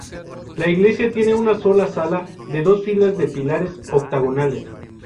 La iglesia tiene una sola sala de dos filas de pilares octogonales.